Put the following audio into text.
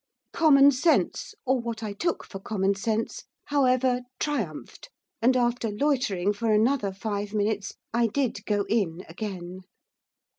Common sense, or what I took for common sense, however, triumphed, and, after loitering for another five minutes, I did go in again.